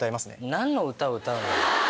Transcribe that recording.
何の歌を歌うの？